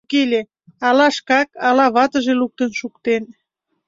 Ала шкак, ала ватыже луктын шуктен.